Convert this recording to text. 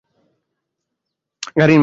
গাড়ির মধ্যেই থাক।